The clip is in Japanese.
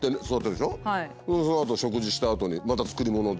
でそのあと食事したあとにまた作りものを。